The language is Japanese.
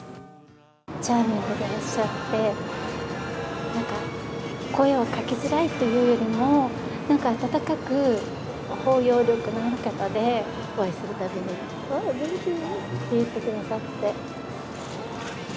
チャーミングでいらっしゃって、なんか、声をかけづらいというよりも、なんか温かく包容力のある方で、お会いするたびに、おー、元気？って言ってくださって。